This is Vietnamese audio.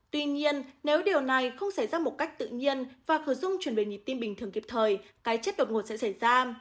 tuy nhiên nếu điều này không xảy ra một cách tự nhiên và khử dung chuyển về nhịp tim bình thường kịp thời cái chết đột ngột sẽ xảy ra